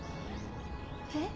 えっ？